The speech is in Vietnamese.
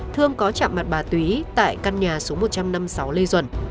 thương có chạm mặt bà túy tại căn nhà số một trăm năm mươi sáu lê duẩn